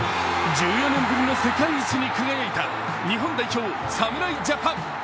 １４年ぶりの世界一に輝いた日本代表、侍ジャパン。